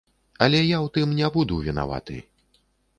Але я ў тым не буду вінаваты.